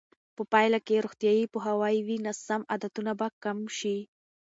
په پایله کې چې روغتیایي پوهاوی وي، ناسم عادتونه به کم شي.